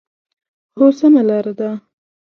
هو، سمه لار ده